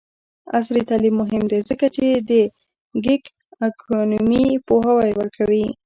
عصري تعلیم مهم دی ځکه چې د ګیګ اکونومي پوهاوی ورکوي.